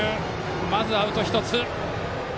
まずはアウト１つ。